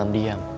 gak perlu ngeles